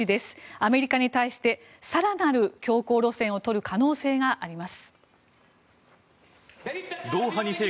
アメリカに対して更なる強硬路線を取る可能性があります。